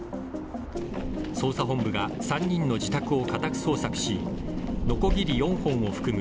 捜査本部が３人の自宅を家宅捜索し、のこぎり４本を含む